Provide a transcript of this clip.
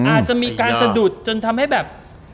อาจจะมีการสะดุดจนทำให้แบบ